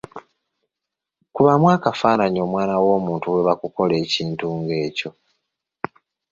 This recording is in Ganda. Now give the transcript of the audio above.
Kubamu akafaananyi omwana w'omuntu bwe bakukola ekintu ng'ekyo !